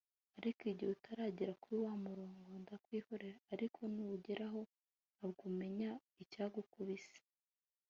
Ariko igihe utaragira kuri wa murongo ndakwihorera ariko n’uwugeraho ntabwo umenya icyagukubise